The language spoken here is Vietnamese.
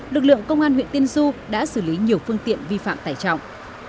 lực lượng công an huyện tiên xu đã xử lý nhiều phương tiện vi phạm tải trọng